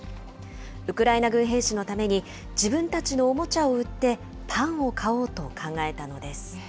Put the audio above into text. ウクライナ軍兵士のために、自分たちのおもちゃを売ってパンを買おうと考えたのです。